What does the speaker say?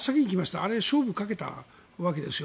あれは勝負をかけたわけですよ。